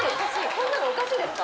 こんなのおかしいですか？